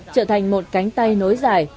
trở thành một cánh tay nối dài